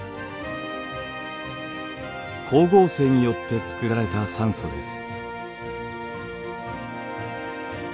光合成によってつくられた酸素です。